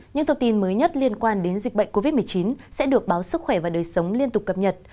những thông tin mới nhất liên quan đến dịch bệnh covid một mươi chín sẽ được báo sức khỏe và đời sống liên tục cập nhật